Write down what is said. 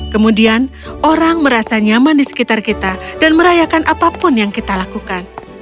kemudian orang merasa nyaman di sekitar kita dan merayakan apapun yang kita lakukan